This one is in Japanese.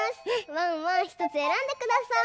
ワンワンひとつえらんでください。